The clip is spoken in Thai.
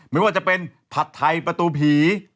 ไม่ว่าจะเป็นผัดไทยประตูผี